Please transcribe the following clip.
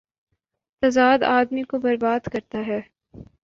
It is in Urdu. تضاد آ دمی کو بر باد کر تا ہے۔